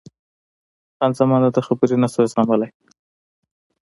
خان زمان د ده خبرې نه شوای زغملای.